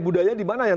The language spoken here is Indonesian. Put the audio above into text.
budaya di mana yang